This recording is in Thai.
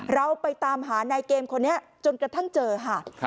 เราไปตามหานายเกมคนนี้จนกระทั่งเจอค่ะ